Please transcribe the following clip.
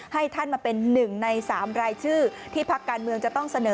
ให้ท่านมาเป็น๑ใน๓รายชื่อที่พักการเมืองจะต้องเสนอ